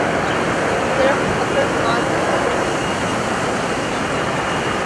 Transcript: صرف اکڑ خان نہیں تھے۔